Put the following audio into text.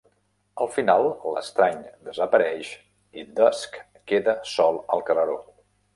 Al final, l'estrany desapareix i Dusk queda sol al carreró.